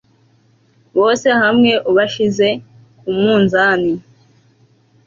bose hamwe ubashyize ku munzani